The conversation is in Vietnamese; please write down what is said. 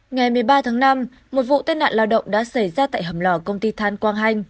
ngày một mươi ba tháng năm một vụ tai nạn lao động đã xảy ra tại hầm lò công ty than quang hành